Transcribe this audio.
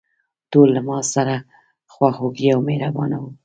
ټول له ماسره خواخوږي او مهربانه وو.